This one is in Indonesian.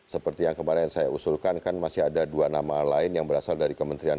seperti yang kemarin saya usulkan kan masih ada dua nama lain yang berasal dari kementerian